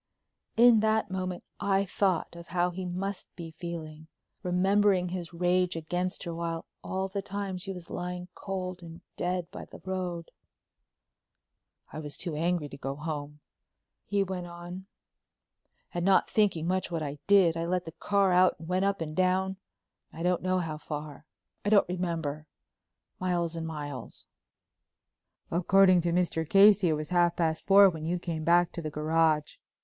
In that moment I thought of how he must be feeling, remembering his rage against her while all the time she was lying cold and dead by the road. "I was too angry to go home," he went on, "and not thinking much what I did, I let the car out and went up and down—I don't know how far—I don't remember—miles and miles." "According to Mr. Casey it was half past four when you came back to the garage."